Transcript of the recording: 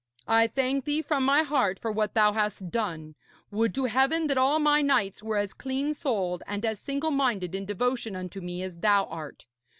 I thank thee from my heart for what thou hast done. Would to Heaven that all my knights were as clean souled and as single minded in devotion unto me as thou art.